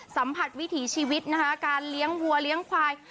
วิถีชีวิตนะคะการเลี้ยงวัวเลี้ยงควาย